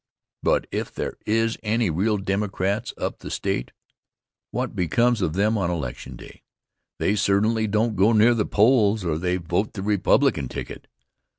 But if there is any real Democrats up the State, what becomes of them on election day? They certainly don't go near the polls or they vote the Republican ticket.